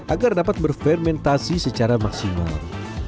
agar dapat berfermentasi secara maksimal